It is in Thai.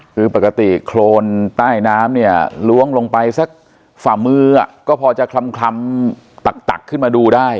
คือปกติโครนใต้น้ำเนี่ยล้วงลงไปสักฝ่ามือก็พอจะคลำตักขึ้นมาดูได้